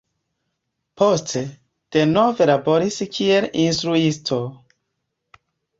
Poste, denove laboris kiel instruisto.